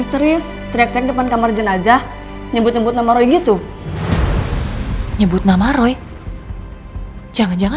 speaker ad kopi itu long